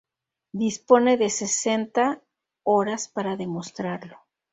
Dispone de sesenta horas para demostrarlo.